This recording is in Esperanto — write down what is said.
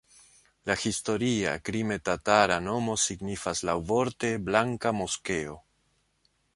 La historia krime-tatara nomo signifas laŭvorte "blanka moskeo".